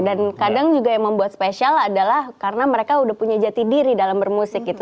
dan kadang juga yang membuat spesial adalah karena mereka udah punya jati diri dalam bermusik gitu